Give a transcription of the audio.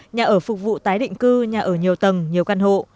nhà ở phục vụ tái định cư nhà ở nhiều tầng nhiều căn hộ